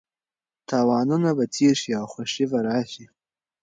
تاوانونه به تېر شي او خوښي به راشي.